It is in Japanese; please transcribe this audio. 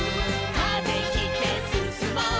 「風切ってすすもう」